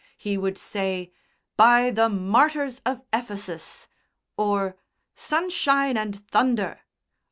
He would say, "by the martyrs of Ephesus!" or "Sunshine and thunder!"